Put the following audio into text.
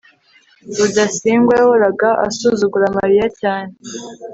rudasingwa yahoraga asuzugura mariya cyane